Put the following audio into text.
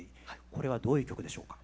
これはどういう曲でしょうか？